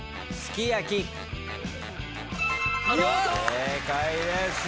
正解です。